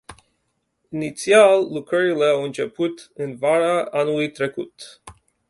Inițial, lucrările au început în vara anului trecut.